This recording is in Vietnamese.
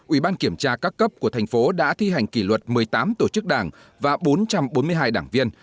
ủy ban kiểm tra các cấp của thành phố đã thi hành kỷ luật một mươi tám tổ chức đảng và bốn trăm bốn mươi hai đảng viên